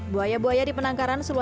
buaya buaya di penangkaran